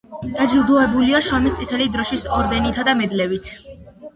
დაჯილდოებულია შრომის წითელი დროშის ორდენითა და მედლებით.